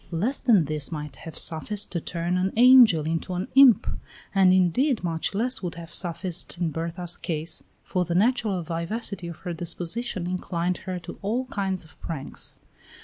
Less than this might have sufficed to turn an angel into an imp, and indeed much less would have sufficed in Berta's case, for the natural vivacity of her disposition inclined her to all kinds of pranks.